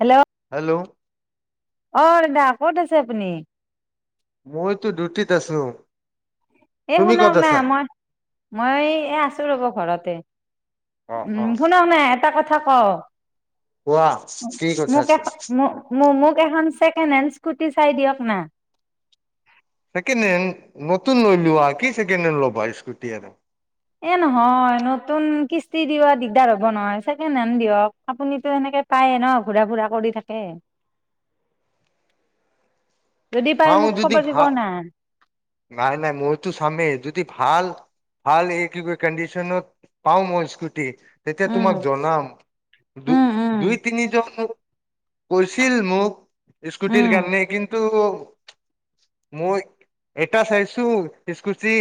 Hello hello অ', দাদা ক'ত আছে আপুনি? মইতো ডিউটিত আছোঁ। এ, শুনক না মই, মই এ, আছোঁ ৰ'ব ঘৰতে। অ অ উম, শুনক না এটা কথা কওঁ। কোৱা কি কথা মোক এখ, আছিল? মোক মোক এখন ছেকেণ্ড হেণ্ড স্কুটি চাই দিয়ক না। ছেকেন হেণ্ড নতুন লৈ লোৱা, কি ছেকেন হেণ্ড ল'বা স্কুটি আৰু। এ, নহয় নতুন কিস্তি দিবা দিগদাৰ হ'ব নহয়, ছেকেণ্ড হেণ্ড দিয়ক, আপুনিতো এনে [unintelligible] পায়ে ন' ঘূৰা ফুৰা কৰি থাকে। যদি পাই চাওঁ মোক যদি খবৰ দিব ভা না। নাই, নাই মইতো চামেই, যদি ভাল ভাল এই কি কয় কন্ডিশনত, পাওঁ মই স্কুটি তেতিয়া উম তোমাক জনাম, উম উম দু-দুই তিনি [unintelligible] কৈছিল মোক, স্কুটিৰ উম কাৰণে কিন [unintelligible] মই এটা চাইছোঁ স্কুটি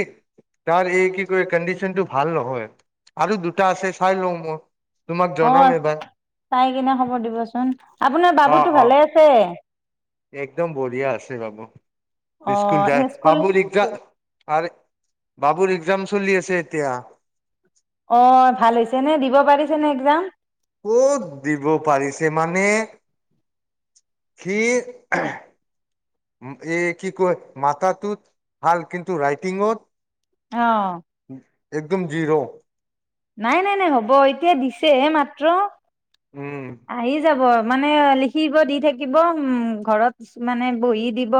তাৰ এই কি কয় কণ্ডিশনটো ভাল নহয় আৰু দুটা আছে চাই লওঁ মই। তোমাক জনাম অ', এবাৰ চাই কিনে খবৰ দিবচোন। আপোনাৰ অ বাবুটো অ ভালে আছে? একদম বঢ়িয়া আছে, বাবু অ স্কুল এনে যায়, বাবুৰ স্কুল ৰিকজাত আৰে বাবুৰ এক্সাম চলি আছে এতিয়া। অ' ভাল হৈছে নে, দিব পাৰিছেনে এক্সাম? ক'ত দিব পাৰিছে মানে সি এ কি কয় মাটা টোত ভাল কিন্তু ৰাইটিংঅত অহ' একদম জি'ৰ। নাই নাই নাই হ'ব, এতিয়া দিছেহে মাত্ৰ। উম আহি যাব মানে লিখিব দি থাকিব উম, ঘৰত মানে বহি দিব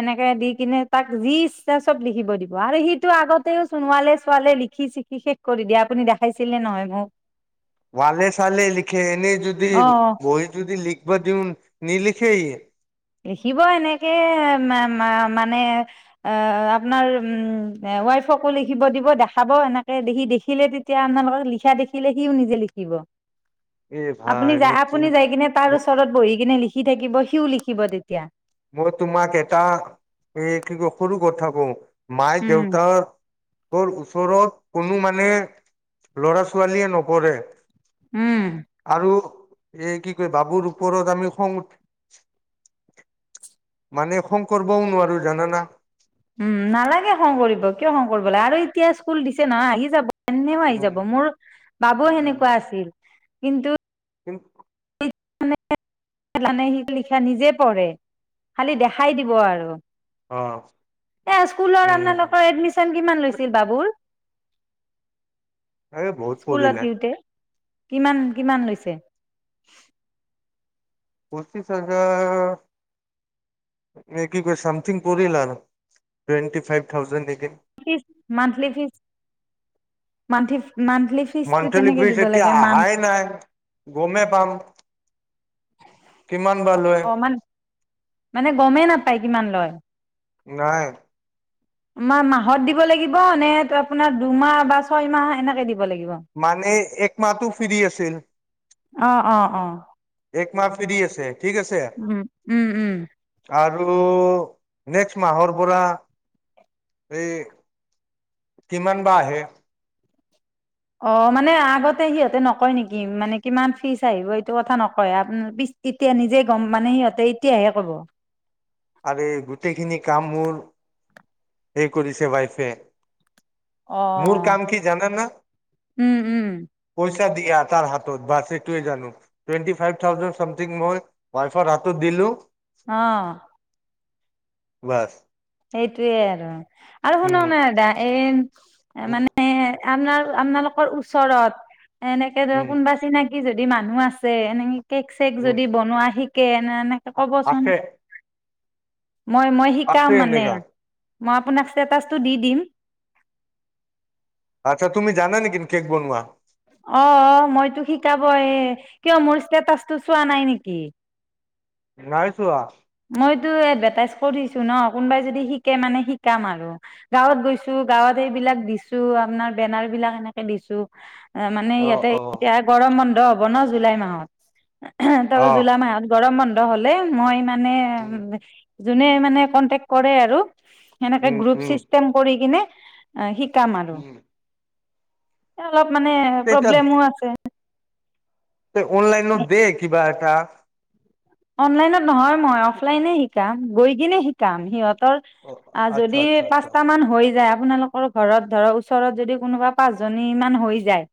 এনেকে দি কিনে তাক যি ইচ্ছা চ'ব লিখিব দিব, আৰে সিটো আগতেও চোন ওৱালে চোৱালে লিখি চিকি শেষ কৰি দিয়া আপুনি দেখাইছিল নহয় মোক। ওৱালে চোৱালে লিখে এনে যদি অ'। বহিত যদি লিখিব দিওঁ নিলিখে ই। লিখিব এনেকে মানে অ' আপোনাৰ উম। ৱাইফকো লিখিব দিব দেখাব এনেকে দেখি দেখিলে তেতিয়া আপোনালোকক লিখা দেখিলে সিও নিজে লিখিব। এ আপুনি ভাই যাই মই তুম আপুনি যাই কিনে তাৰ ওচৰত বহি কিনে লিখি থাকিব সিও লিখি থাকিব তেতিয়া। মই তোমাক এটা এ কি কয় সৰু কথা কওঁ, মাইক উম। দেউতাক কৰ ওচৰত কোনো মানে ল'ৰা ছোৱালীয়ে নপঢ়ে। উম আৰু এই কি কয় বাবুৰ ওপৰত আমি খং উঠ মানে খং কৰিবও নোৱাৰো জানানা? উম, নালাগে খং কৰিব, কিয় খং কৰিব লাগে আৰু এতিয়া স্কুল দিছে নহয় আহি যাব। এনেও আহি উম যাব, মোৰ বাবু সেনেকুৱা আছিল। কিন্তু কিন্ত, মানে সি লিখা নিজে পঢ়ে খালি দেখাই দিব আৰু অহ' এই স্কুলত আপোনালোকৰ এডমিশ্যন কিমান লৈছিল বাবুৰ। এই বহুত স্কুলত পৰিলে। দিওঁতে কিমান, কিমান লৈছে। পঁচিছ হাজাৰৰ নে কি কয় চামথিং পৰিলা টুৱেন্টি ফ্ৰাইভ থাউজেণ্ড নেকি? ফ্ৰীচ মাণ্ঠলি ফ্ৰীচ মাণ্ঠলি মাণ্ঠলি ফ্ৰিজটো মান্থলি কেনেকে ফিজ দিব এতিয়া লাগে মান অহাই নাই গমেই পাম কিমান বা লয় অ' অমান মানে গমেই নাপায় কিমান লয়। নাই। মাৰ মাহত দিব লাগিব নে আপোনাৰ দুমাহ বা ছয় মাহ এনেকে দিব। লাগিব? মানে একমাহতো ফ্ৰী আছিল। অ' অ' অ'। এক মাহ ফ্ৰী আছে, ঠিক আছে উম, উম। আৰু নেক্সট মাহৰ পৰা এই কিমান বা আহে। অ' মানে আগতে সিহঁতে নকয় নেকি? মানে কিমান ফ্ৰীচ আহিব এইটো কথা নকয়। এতিয়া নিজে গ'ম মানে সিহঁতে এতিয়াহে ক'ব। আৰে গোটেইখিনি কাম মোৰ এই কৰিছে ৱাইফে। মোৰ অ'। কাম কি জানানা উম, উম, পইচা তাইক দিয়া তাৰ হাতত বাচ সেইটোৱে জানো টুৱেন্টি ফ্ৰাইভ থাউজেণ্ড চামথিং মই ৱাইফৰ হাতত দিলোঁ। অহ' বাচ। সেইটোৱে আৰু, আৰু শুনাও‌ [unintelligible] দা এই উম মানে আপনাৰ-আপনালোকৰ ওচৰত এনেকে ধৰক উম কোনোবা চিনা কি যদি মানুহ আছে, এনেকে কেক, চেক উম যদি বনোৱা শিকে এনেকে আছে ক'বচোন। মই, মই শিকাম মান [unintelligible] মই আপোনাক ষ্টেটাচটো দি দিম। আতচ্ছা তুমি জানা নেকি? কেক বনোৱা? অ', অ', মইতো শিকাবয়ে কিয়, মোৰ ষ্টেটাচটো চোৱা নাই নিকি? নাই চোৱা। মইতো এডভাৰটাইজ কৰিছোঁ ন' কোনোবাই যদি শিকে মানে শিকাম আৰু, গাঁৱত গৈছোঁ। গাঁৱত এইবিলাক দিছোঁ, আপনাৰ বেনাৰ বিলাক এনেকে দিছোঁ। অ', মানে অ ইয়াতে অ এতিয়া গৰম বন্ধ হ'ব ন' জুলাই মাহত। তাৰ পৰা অহ জুলাই মাহত গৰম বন্ধ হ'লে, মই মানে উ যোনে মানে কনটেক কৰে আৰু সেনেকে উম গ্ৰুপ চিষ্টেম কৰি কিনে শিক কাম আৰু। উম এ অলপ মানে তেতিয়া প্ৰব্লেমো আছে। অনলাইনো দে কিবা এটা অনলাইনত নহয় মই, অফলাইনে শিকাম, গৈ কিনে শিকাম, সিহঁত অ আ, আচ্ছা যদি আচ্ছা আচ্ছা পাঁচটা মান হৈ যায় আপোনালোকৰ ঘৰত ধৰক ওচৰত যদি কোনোবা পাঁচজনী মান হৈ যায়।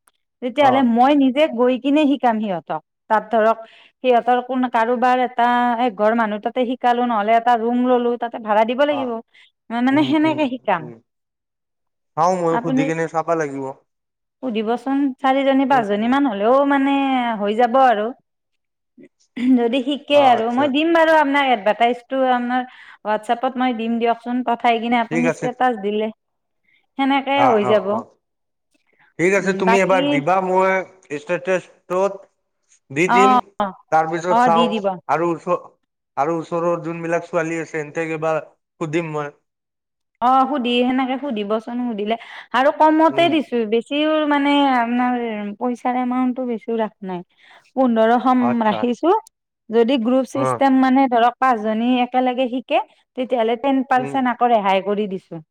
অ তেতিয়াহ'লে মই নিজে গৈ কিনে শিকাম সিহঁতক, তাত ধৰক সিহঁতৰ কোন কাৰোবাৰ এটা এক ঘৰ মানুহ তাতে শিকালোঁ, নহ'লে এটা ৰুম ল'লো তাতে ভাড়া দিব অ লাগিব। মানে সেনেকে শিকাম। চাওঁ মইয়ো সুধি আপুনি কেনে চাবা লাগিব। সুধিবচোন চাৰিজনী, উম উম পাঁচজনীমান হ'লেও মানে হৈ যাব আৰু। যদি শিকে অ আৰু, আচ্ছা মই দিম বাৰু আপনাক ভাটাচইটো আমাৰ হোৱাটছএপত মই দিম দিয়কচোন পঠাই কিনে ঠিক আপুনি আছে ষ্টেটাচ দিলে সেনেকেই অ হৈ অ যাব। অ ঠিক আছে, উম তুমি বাকী এবাৰ দিবা মই ইষ্টেটাচটোত দি অ দিম, তাৰপিছত অ দি চাওঁ দিব আৰু ওচ আৰু ওচৰৰ যোনবিলাক ছোৱালী আছে, [unintelligible] সুধিম মই। অ', সুধি সেনেকে সুধিবচোন সুধিলে আৰু কমতে উম দিছোঁ বেছিও মানে আপোনাৰ পইচাৰ এমাউন্টটো বেছিয়ো ৰাখা নাই। পোন্ধৰশ আচ্ছা ৰাখিছোঁ, যদি গ্ৰুপ অ চিষ্টেম মানে ধৰক পাঁচজনী একেলগে শিকে, তেতিয়াহ'লে টেন উম পাৰ্চেন্ট আকৌ ৰেহাই কৰি দিছোঁ।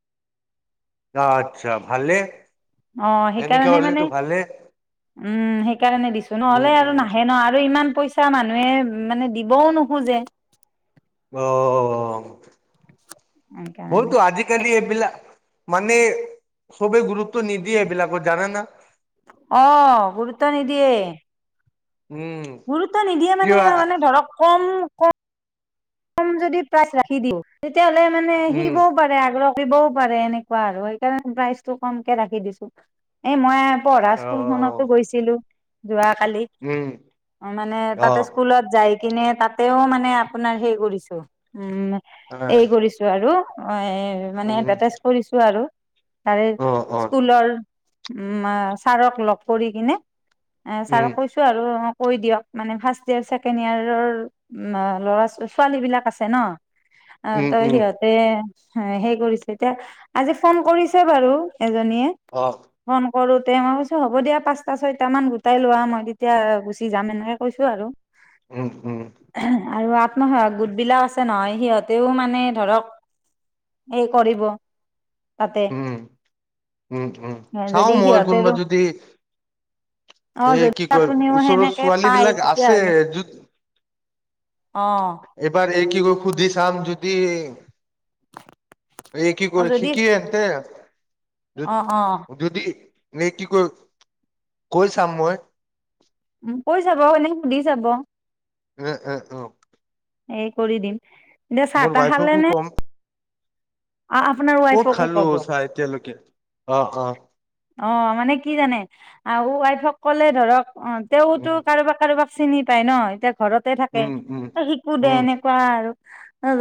অ', আচ্ছা ভালে। অ', এনেকে সেইকাৰণে মানে হ'লেতো ভালে উম, সেইকাৰণে দিছোঁ উম নহ'লে আৰু উম নাহে ন' আৰু ইমান পইচা মানুহে মানে দিবও নোখোঁজে। অ', অ', সেইকাৰণে হ'লতো আজিকালি এইবিলাক মানে চবেই গুৰুত্ব নিদিয়ে এইবিলাকত জানানা অ', গুৰুত্ব নিদিয়ে। উম গুৰুত্ব নিদিয়ে কিয় মানে, মানে ধৰক কম ক কম যদি প্ৰাইচ ৰাখি দিওঁ, তেতিয়াহ'লে মানে উম শিকিবও পাৰে আগ্ৰ শিকিবয়ো পাৰে এনেকুৱা আৰু সেইকাৰণে প্ৰাইচটো কমকে ৰাখি দিছোঁ, এই মই পঢ়া অ' স্কুলখনতো গৈছিলোঁ যোৱা কালি উম অ', মানে অ' তাতে স্কুলত যায় কিনে তাতেও মানে আপোনাৰ হেই কৰিচ উম, এই কৰিছোঁ আৰু এই মানে উম এডভাৰটাইজ কৰিছোঁ আৰু তাৰে অ' অ' স্কুলৰ উম, ছাৰক লগ কৰি কিনে। এহ ছাৰক কৈছোঁ আৰু কৰি দিয়ক মানে ফাৰ্ষ্ট ইয়েৰ, ছেকেণ্ড ইয়েৰ ল'ৰা ছ ছোৱালী বিলাক আছে ন। উম অ' উম তাই উম সিহঁতে হে কৰিছে, এতিয়া আজি ফোন কৰিছে বাৰু। এজনীয়ে অ' ফোন কৰোঁতে, মই কৈছোঁ হ'ব দিয়া পাঁচটা, ছয়টা মান গোটাই লোৱা। মই তেতিয়া গুচি যাম এনেকে কৈছোঁ আৰু উম উম আৰু আত্মসহায় গোট বিলাক আছে নহয়, সিহঁতেও মানে ধৰক এই কৰিব, তাতে। উম উম, উম, চাওঁ যদি মই কোনোবা সিহঁতেৰো যদি অ এ যদি কি কয় আপুনিও ওচৰত সেনেকে ছোৱালী বিলাক আছে, য'ত অহ' কিবা হেই কি কয় সুধি চাম যদিৰ এই কি কৰি যদি শিকি এনতে উ যদি নে কি কয়, কৈ চাম মই। উম, কৈ চাব এনে সুধি চাব। এ এ উম। এই কৰি দিম দে চাহ তাহ খালে ৱাইফকো নে? কম অ আপোনাৰ ক'ত ৱাইফকো খালোঁ কব চাহ এতিয়ালৈকে অহ' অ'। অ' মানে কি জানে আহ ৱাইফক ক'লে ধৰক, অ' তেওঁতো উম কাৰোবাক কাৰোবাক চিনি পাই ন এতিয়া ঘৰতে থাকে, উম উম শিকো দে উম এনেকুৱা আৰু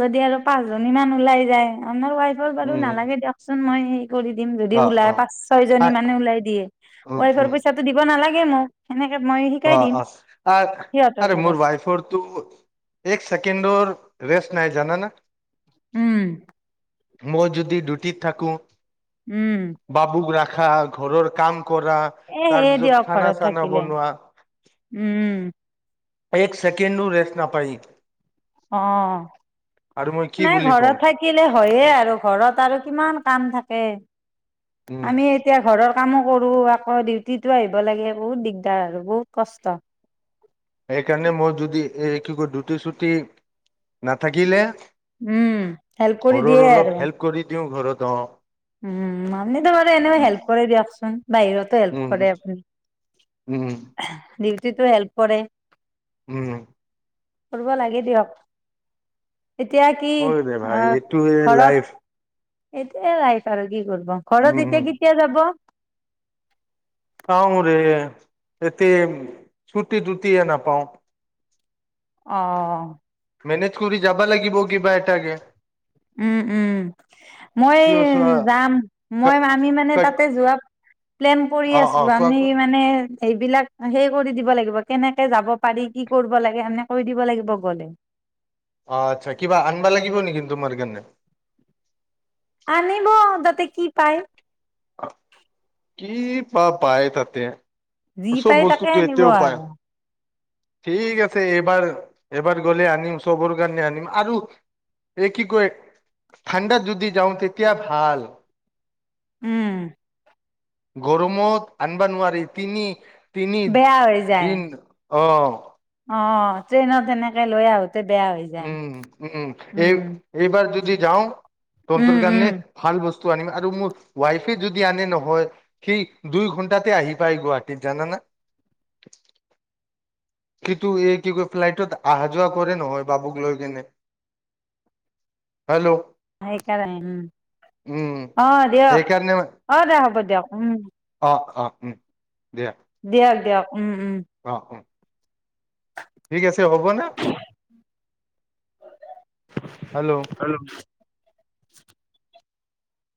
যদি আৰু পাঁচ জনী মান ওলাই যায়। আপোনাৰ ৱাইফক বাৰু উম নালাগে দিয়কচোন, মই কৰি দিম যদি অ ওলাই অ পাঁচ ছয় জনী মানে ওলাই দিয়ে, উম ৱাইফৰ উম পইচাটো দিব না নালাগে মোক সেনে অ' অ' আ সিহঁতৰ আৰে মোৰ লগত। ৱাইফৰটো এক ছেকেণ্ডৰ ৰেষ্ট নাই জানা না? উম। মই যদি ডিউটিত থাকোঁ, উম। বাবুক ৰাখা, ঘৰৰ কাম কৰা, এ সেয়ে দিয়ক তাৰপিছত ঘৰত খানা, চানা থাকিলে। বনোৱাঁ। উম। এক চেকেণ্ডনো ৰেষ্ট নাপায়। অ'। আৰু মই কি নাই বুলি ঘৰত ক'ম থাকিলে হয়ে, আৰু ঘৰত আৰু কিমান কাম থাক কে উম আমি এতিয়া ঘৰৰ কামো কৰোঁ, আকৌ ডিউটিতো আহিব লাগে, বহুত দিগদাৰ আৰু বহুত কষ্ট। সেইকাৰণে মই যদি এই কিয় ডিউটি, চিউটি নাথাকিলে উম। হেল্প কৰি দিয়ে ঘৰৰ আৰু। অলপ হেল্প কৰি দিওঁ, ঘৰত অ'। উম, আপনিতো বাৰু এনেয়ো উম হেল্প কৰে দিয়কচোন, বাহিৰতো হেল্প উম কৰে আপুনি। উম। ডিউটিতো হেল্প কৰে। উম। কৰিব লাগে দিয়ক। এতিয়া কি? হয় দে আ, ভাই এইটোৱে ঘৰত লাইফ এইটোয়ে লাইফ আৰু কি কৰিব, উম ঘৰত উম এতিয়া কেতিয়া যাব? চাওঁৰে এতিয়া ছুটি, টুটিয়ে নাপাওঁ। অ'। মেনেজ কৰি যাবা লাগিব কিবা এটাকে। উম, উম, মই কিয় চোৱা যাম, মই ক আমি মানে তাতে ক যোৱা প্লেন কৰি অ অ আছোঁ, কোৱা আমি কোৱা মানে এইবিলাক সেইকৰি দিব লাগিব, কেনেকে যাব পাৰি, কি কৰিব লাগে, এনে কৈ দিব লাগিব গ'লে। অ' আচ্ছা কিবা আনবা লাগিব নেকি তোমাৰ কাৰণে? আনিব তাতে কি পায়। কি বা পায় তাতে? যি চব পাই তাকে বস্তুটো আনিব এটায়াও পায়। আৰু ঠিক আছে এইবাৰ এইবাৰ গ'লে আনিম চবৰ কাৰণে আনিম আৰু। এক কি কয় ঠাণ্ডা যদি যাওঁ তেতিয়া ভাল। উম। গৰমত আনবনোৱাৰী তিনি তিনি বেয়া হৈ যায় দিন আহ অ', ট্ৰেইনত তেনেকে লৈ আহ উম, উম এই উম, এইবাৰ যদি যাওঁ উম, তহ'তৰ উম, কাৰনে ভাল বস্তু তু আনিম, আৰু মোৰ ৱাইফে যদি আনে নহয় সি দুই ঘন্টাতে আহি পায় গুৱাহাটীত জানানে। [unintelligible] সি টো এই কি কয়, ফ্লাইটত অহা যোৱা কৰে নহয় বাবুক লৈ কেনে। হেল্ল'? হেই কাৰনে, উম। অ' দিয়ক সেইকাৰণে অ' দে হ'ব দিয়ক, উম। অ অ উম, দিয়া। দিয়ক, দিয়ক উম উম। অ অ ঠিক আছে হ'ব ন, হেল্ল'? [unintelligible]